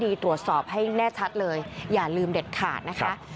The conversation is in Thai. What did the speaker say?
ตรวจสอบให้แน่ชัดเลยอย่าลืมเด็ดขาดนะคะ